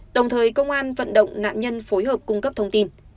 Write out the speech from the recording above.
đồng thời công an vận động nạn nhân phối hợp cung cấp thông tin